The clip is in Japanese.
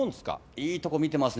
いいところ見てますね。